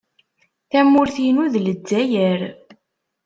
Tamurt-inu d Lezzayer.